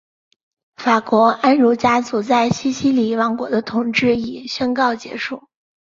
法国安茹家族在西西里王国的统治已宣告结束。